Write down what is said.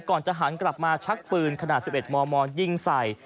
ก่อนจะหันกลับมาชักปืนขนาด๑๑มมยิงใส่